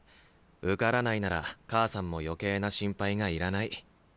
受からないなら母さんも余計な心配がいらない。